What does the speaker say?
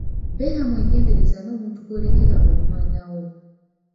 Beera mwegendereza n'omuntu gw'olekera omwana wo.